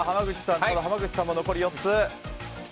濱口さんも残り４つ。